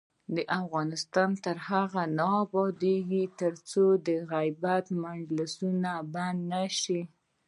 افغانستان تر هغو نه ابادیږي، ترڅو د غیبت مجلسونه بند نشي.